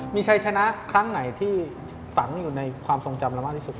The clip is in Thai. มีชัยชนะครั้งไหนที่ฝังอยู่ในความทรงจำเรามากที่สุด